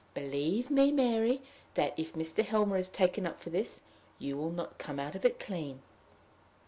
Believe me, Mary, that, if Mr. Helmer is taken up for this, you will not come out of it clean."